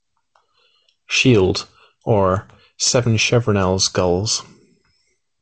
Shield: "Or, seven chevronels gules".